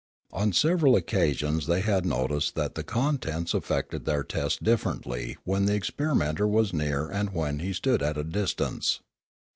On several occasions they had noticed that the contents affected their tests differently when the experimenter was near and when he stood at a distance.